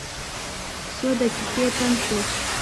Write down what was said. څو دقیقې تم شوو.